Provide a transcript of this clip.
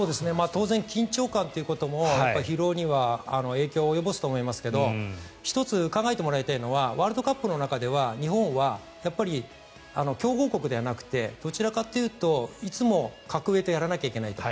当然、緊張感ということも疲労には影響を及ぼすと思いますが１つ考えてもらいたいのはワールドカップの中で日本は強豪国ではなくてどちらかというといつも格上とやらなきゃいけないと。